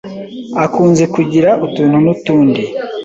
akunze kugira utuntu n’utundi